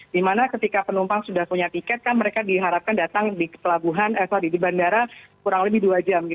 dimana ketika penumpang sudah punya tiket kan mereka diharapkan datang di bandara kurang lebih dua jam